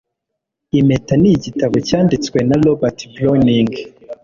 Impeta nigitabo cyanditswe na Robert Browning